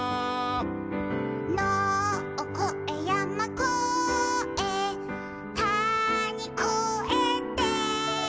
「のをこえやまこえたにこえて」